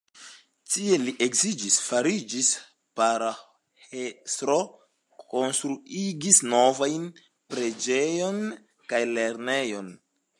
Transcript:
Tie li edziĝis, fariĝis paroĥestro, konstruigis novajn preĝejon kaj lernejon.